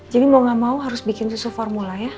jadi mau gak mau harus bikin susu formula ya